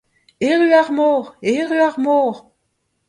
Erru ar mor ! erru ar mor !